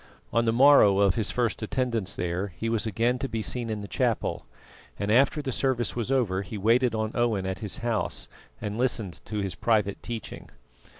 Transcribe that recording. On the morrow of his first attendance there he was again to be seen in the chapel, and after the service was over he waited on Owen at his house and listened to his private teaching.